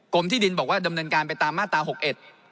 ที่ดินบอกว่าดำเนินการไปตามมาตราหกเอ็ด